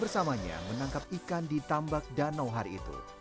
bersamanya menangkap ikan di tambak danau hari itu